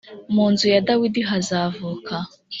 mu nzu ya dawidi hazavuka